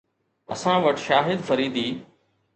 اسان وٽ شاهد فريدي